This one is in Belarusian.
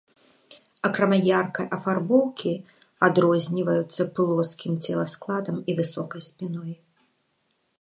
Акрамя яркай афарбоўкі, адрозніваюцца плоскім целаскладам і высокай спіной.